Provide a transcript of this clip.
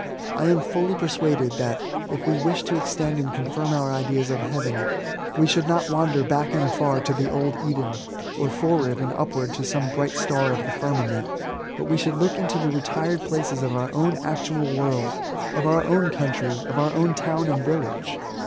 I am fully persuaded, that, if we wish to extend and confirm our ideas of Heayen, we should not wander back and afar to the old Eden, or forward and upward to some bright star of the firmament, but we should look into the retired places of oiir own actual world, of our own country, of our own town and yillage.